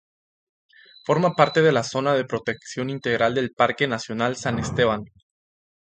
Forma parte de la zona de protección integral del Parque nacional San Esteban.